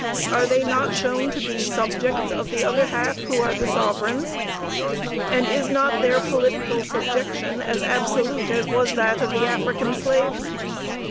Are they not shown to be subjects of the other half, who are the sovereigns? And is not their political subjection as absolute as was that of the African slaves?